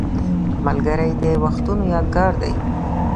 ملګری د وختونو یادګار دی